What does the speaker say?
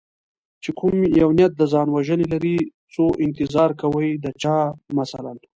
چې کوم یو نیت د ځان وژنې لري څو انتظار کوي د چا مثلا